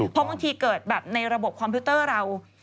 เพราะบางทีเกิดแบบในระบบคอมพิวเตอร์เรา